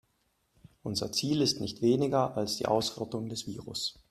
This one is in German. Unser Ziel ist nicht weniger als die Ausrottung des Virus.